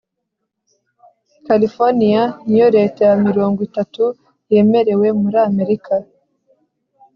californiya niyo leta ya mirongo itatu yemerewe muri amerika